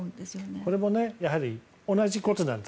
これも同じことなんです。